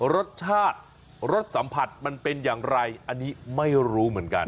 รสชาติรสสัมผัสมันเป็นอย่างไรอันนี้ไม่รู้เหมือนกัน